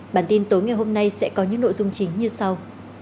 bản tin tối ngày hôm nay sẽ có những nội dung chính như sau